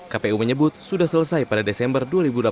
kpu menyebut sudah selesai pada desember dua ribu delapan belas